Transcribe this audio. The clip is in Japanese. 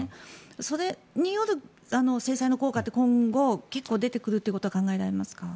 それによる制裁の効果って今後、結構出てくることは考えられますか？